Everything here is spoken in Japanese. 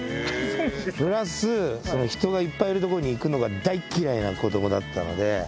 プラス人がいっぱいいる所に行くのが大っ嫌いな子どもだったので。